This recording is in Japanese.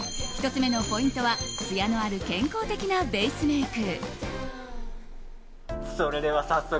１つ目のポイントはつやのある健康的なベースメイク。